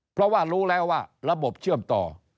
เพราะว่ารู้แล้วว่าระบบเชื่อมต่อ